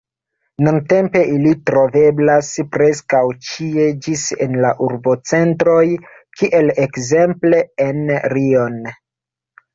Nuntempe ili troveblas preskaŭ ĉie ĝis en la urbocentroj, kiel ekzemple en Liono.